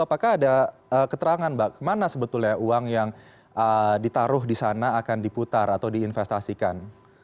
apakah ada keterangan mbak kemana sebetulnya uang yang ditaruh di sana akan diputar atau diinvestasikan